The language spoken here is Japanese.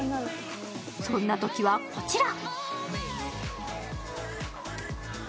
そんなときは、こちら。